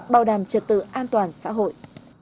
bảo đảm trật tự an toàn xã hội